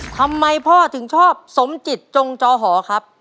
ทำไมพ่อถึงชอบสมจิตจงจอหอครับ